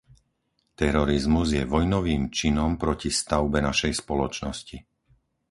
Terorizmus je vojnovým činom proti stavbe našej spoločnosti.